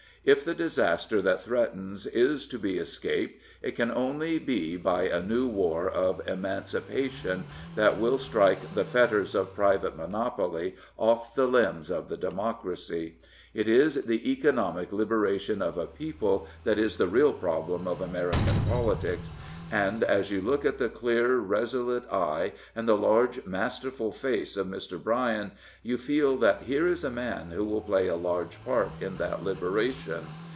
If the disaster that threatens is to be escaped, it can only be by a new war of emancipa tion that will strike the fetters of private monopoly off the limbs of the democracy. It is the economic 30s Prophets, Priests, and Kings liberation of a people that is the real problem of American politics. And as you look at the clear, resolute eye and the large, masterful face of Mr. Bryan, you feel that here is a man who will play a large part in that liberation.